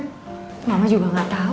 mama juga gak tau